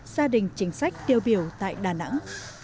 gia đình chính sách tiêu biểu tại đà nẵng